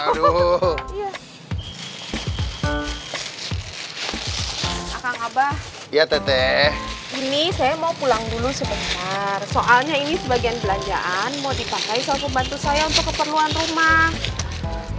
mau dipanggil untuk bantu saya untuk keperluan rumah